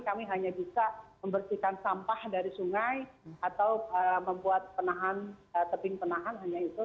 kami hanya bisa membersihkan sampah dari sungai atau membuat tebing penahan hanya itu